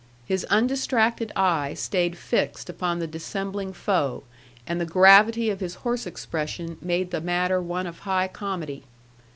His undistracted eye stayed fixed upon the dissembling foe, and the gravity of his horse expression made the matter one of high comedy.